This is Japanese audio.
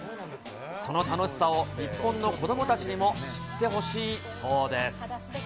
その楽しさを日本の子どもたちにも知ってほしいそうです。